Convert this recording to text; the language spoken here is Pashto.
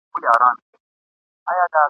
د سندرو اورېدلو ذوق مي مړ دي